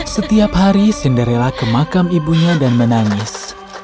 setiap hari cinderella ke makam ibunya dan menangis